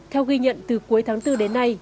theo ghi nhận từ cuối tháng bốn đến nay